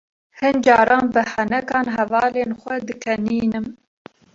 Hin caran bi henekan hevalên xwe dikenînim.